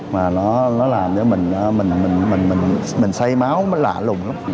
mà nó làm cho mình say máu mới lạ lùng lắm